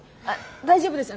大丈夫です。